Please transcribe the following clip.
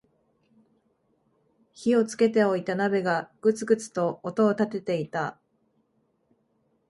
火をつけておいた鍋がグツグツと音を立てていた